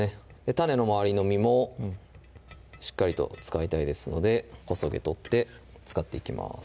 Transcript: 種の周りの実もしっかりと使いたいですのでこそげ取って使っていきます